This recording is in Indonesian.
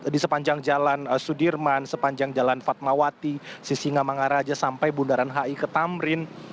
di sepanjang jalan sudirman sepanjang jalan fatmawati sisingamangaraja sampai bundaran hi ke tamrin